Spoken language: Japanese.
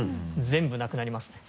全部なくなりますね。